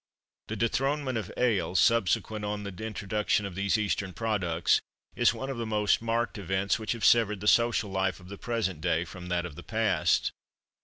The dethronement of ale, subsequent on the introduction of these eastern products, is one of the most marked events which have severed the social life of the present day from that of the past."